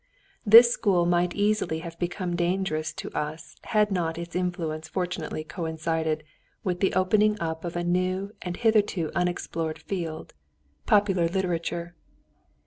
This school might easily have become dangerous to us had not its influence fortunately coincided with the opening up of a new and hitherto unexplored field popular literature.